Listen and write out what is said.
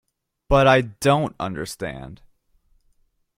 But I don't understand.